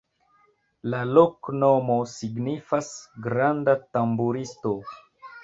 La loknomo signifas: granda-tamburisto.